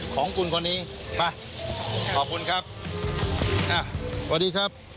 ของคุณคนนี้